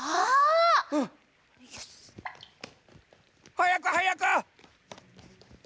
はやくはやく！